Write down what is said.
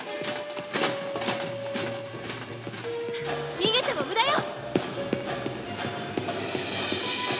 逃げても無駄よ！